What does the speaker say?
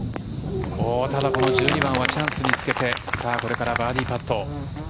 ただ、この１２番はチャンスにつけてこれからバーディーパット。